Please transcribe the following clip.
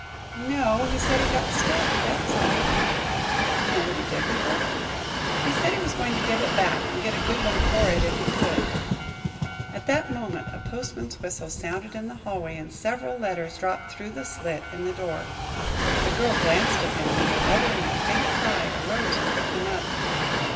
"No, he said he got stuck, that's all." "Do you know what he did with it?" "He said he was going to give it back and get a good one for it, if he could." At that moment a postman's whistle sounded in the hallway and several letters dropped through the slit in the door. The girl glanced at them, and uttering a faint cry, arose and picked them up.